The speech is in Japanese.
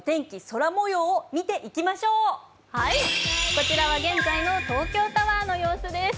こちらは現在の東京タワーの様子です。